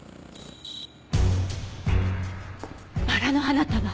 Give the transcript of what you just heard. バラの花束！